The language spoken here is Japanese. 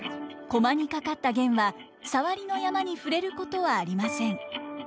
駒にかかった絃はサワリの山に触れることはありません。